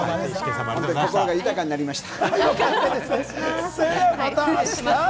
心が豊かになりました。